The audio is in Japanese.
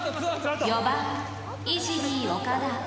４番イジリー岡田。